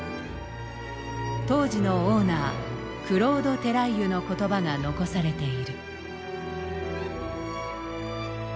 当時のオーナークロード・テライユの言葉が残されている。